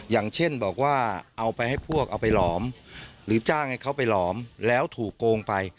อย่างเช่นบอกว่าเอาไปให้พวกเอาไปหลอมหรือจ้างให้เขาไปหลอมแล้วถูกโกงไป